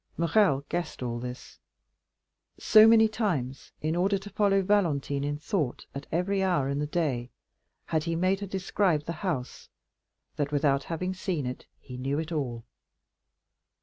Morrel guessed all this. So many times, in order to follow Valentine in thought at every hour in the day, had he made her describe the whole house, that without having seen it he knew it all.